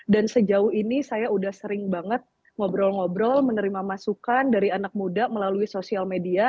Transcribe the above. dan sejauh ini saya udah sering banget ngobrol ngobrol menerima masukan dari anak muda melalui sosial media